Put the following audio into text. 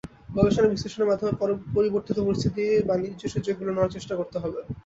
গবেষণা বিশ্লেষণের মাধ্যমে পরিবর্তিত পরিস্থিতির বাণিজ্য সুযোগগুলো নেওয়ার চেষ্টা করতে হবে।